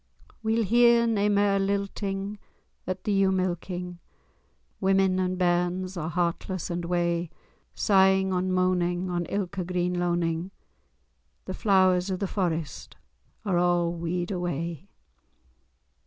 We'll hear nae mair lilting at the ewe milking; Women and bairns are heartless and wae: Sighing and moaning on ilka green loaning— The Flowers of the Forest are a' wede away.